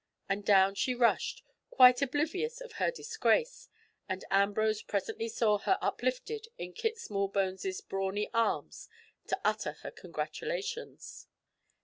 And down she rushed, quite oblivious of her disgrace, and Ambrose presently saw her uplifted in Kit Smallbones' brawny arms to utter her congratulations.